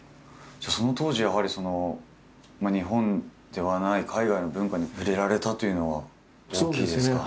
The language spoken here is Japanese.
じゃあその当時やはり日本ではない海外の文化に触れられたというのは大きいですか？